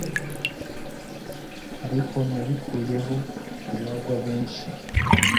ariko nabikuyeho kubagwa kenshi